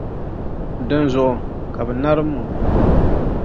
Dinzuɣu, ka bɛ narim o.